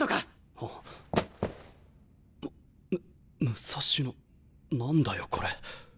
む武蔵野何だよこれ。